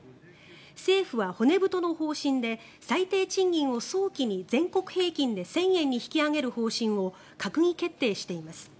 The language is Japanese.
政府は骨太の方針で最低賃金を早期に全国平均で１０００円に引き上げる方針を閣議決定しています。